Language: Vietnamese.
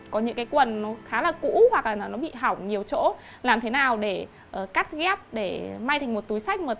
có những cái quần nó khá là cũ hoặc là nó bị hỏng nhiều chỗ làm thế nào để cắt ghép để may thành một túi sách